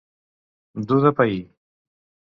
Dur de pair.